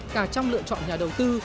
cả trong lựa chọn nhà đầu tư